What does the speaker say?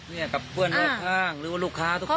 นี่กับเพื่อนลูกค้างหรือว่าลูกค้าทุกคนนะ